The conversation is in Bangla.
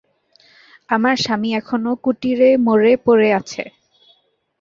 আমার স্বামী এখনো কুটিরে মরে পড়ে আছে।